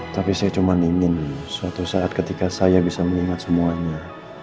tapi saya cuma ingin suatu saat ketika saya bisa mengingat semuanya